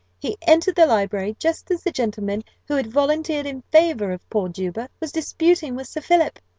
He entered the library just as the gentleman who had volunteered in favour of poor Juba was disputing with Sir Philip.